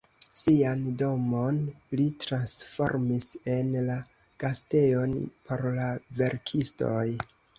Sian domon li transformis en la gastejon por la verkistoj.